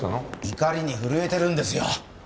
怒りに震えてるんですよッ